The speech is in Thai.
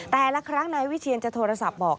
แต่ละครั้งนายวิเชียนจะโทรศัพท์บอก